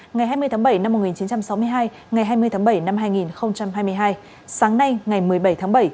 ngày hai mươi tháng bảy năm một nghìn chín trăm sáu mươi hai ngày hai mươi tháng bảy năm hai nghìn hai mươi hai sáng nay ngày một mươi bảy tháng bảy